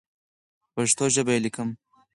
په پښتو ژبه یې لیکم.